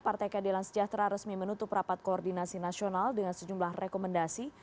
partai keadilan sejahtera resmi menutup rapat koordinasi nasional dengan sejumlah rekomendasi